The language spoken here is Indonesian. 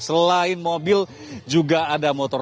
selain mobil juga ada motor